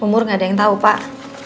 umur gak ada yang tahu pak